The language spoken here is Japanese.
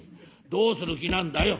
どうする気なんだよ」。